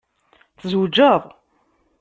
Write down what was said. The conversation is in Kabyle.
Tzewjeḍ?